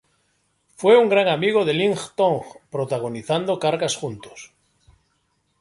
Fue un gran amigo de Ling Tong, protagonizando cargas juntos.